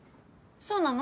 そうなの？